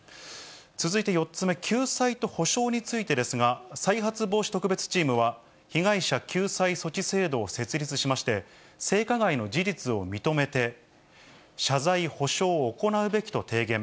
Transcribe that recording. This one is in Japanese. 続いて４つ目、救済と補償についてですが、再発防止特別チームは、被害者救済措置制度を設立しまして、性加害の事実を認めて、謝罪、補償を行うべきと提言。